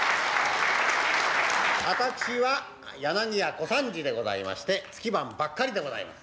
私は柳家小三治でございまして月番ばっかりでございます。